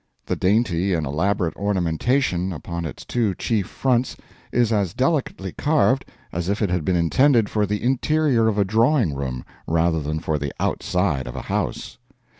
The dainty and elaborate ornamentation upon its two chief fronts is as delicately carved as if it had been intended for the interior of a drawing room rather than for the outside of a house.